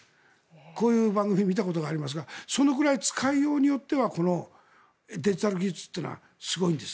こういう番組を見たことがありますがそのくらい使いようによってはこのデジタル技術というのはすごいんです。